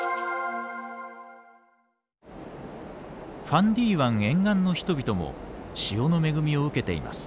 ファンディ湾沿岸の人々も潮の恵みを受けています。